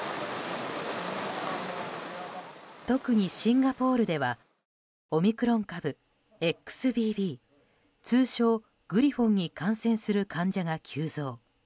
特にシンガポールではオミクロン株、ＸＢＢ通称、グリフォンに感染する患者が急増。